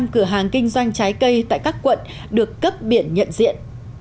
một trăm linh cửa hàng kinh doanh trái cây tại các quận được cấp biển nhận diện